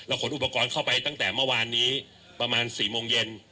ขนอุปกรณ์เข้าไปตั้งแต่เมื่อวานนี้ประมาณ๔โมงเย็น